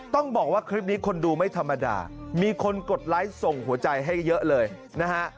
ต้องบอกว่าคลิปนี้คนดูไม่ธรรมดามีคนกดไลค์ส่งหัวใจให้เยอะเลยนะฮะ